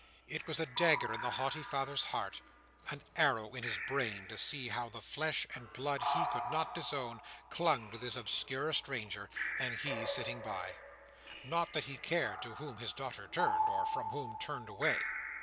It was a dagger in the haughty father's heart, an arrow in his brain, to see how the flesh and blood he could not disown clung to this obscure stranger, and he sitting by. Not that he cared to whom his daughter turned, or from whom turned away.